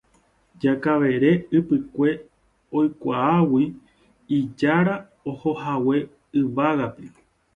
Jakavere Ypykue oikuaágui ijára ohohague yvágape